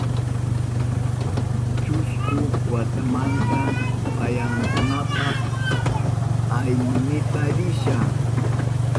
Chusku watamanta pasyanapa aylluynita risha.